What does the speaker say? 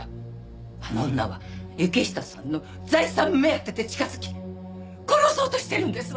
あの女は行人さんの財産目当てで近づき殺そうとしているんですわ！